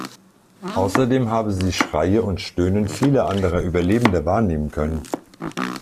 Außerdem habe sie Schreie und Stöhnen vieler anderer Überlebender wahrnehmen können.